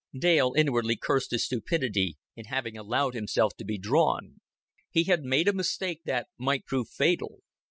Dale inwardly cursed his stupidity in having allowed himself to be drawn. He had made a mistake that might prove fatal.